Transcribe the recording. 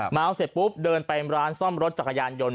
เมาเสร็จปุ๊บเดินไปร้านซ่อมรถจักรยานยนต